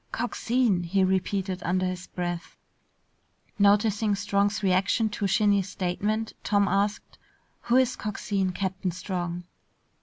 "Coxine!" he repeated under his breath. Noticing Strong's reaction to Shinny's statement, Tom asked, "Who is Coxine, Captain Strong?"